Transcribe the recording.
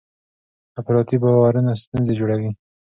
افراطي باورونه ستونزې جوړوي.